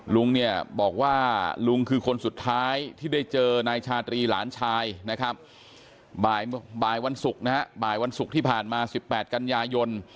ลุงเนี่ยบอกว่าลุงคือคนสุดท้ายที่ได้เจอนายชาตรีหลานชายนะครับบ่ายวันศุกร์นะฮะบ่ายวันศุกร์ที่ผ่านมา๑๘กันยายน